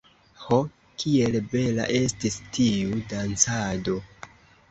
Ho, kiel bela estis tiu dancado!